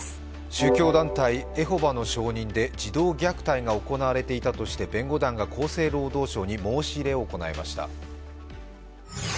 宗教団体、エホバの証人で児童虐待が行われていたとして弁護団が厚生労働省に申し入れを行いました。